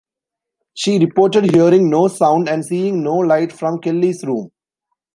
She reported hearing no sound and seeing no light from Kelly's room.